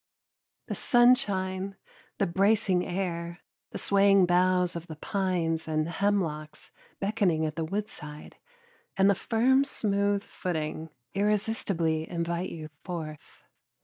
The sunshine, the bracing air, the swaying boughs of the pines and hemlocks beckoning at the woodside, and the firm smooth footing, irresistibly invite you forth.